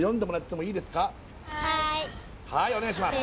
上からはいお願いします